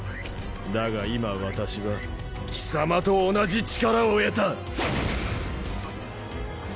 だが今私は貴様と同じ力を得た。